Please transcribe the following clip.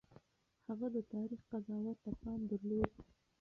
هغه د تاريخ قضاوت ته پام درلود.